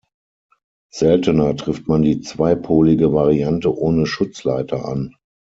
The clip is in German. Seltener trifft man die zweipolige Variante ohne Schutzleiter an.